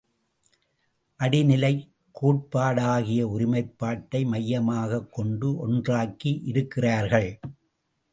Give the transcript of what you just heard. அடிநிலைக் கோட்பாடாகிய ஒருமைப்பாட்டை மையமாகக் கொண்டு ஒன்றாக்கி யிருக்கிறார்கள்!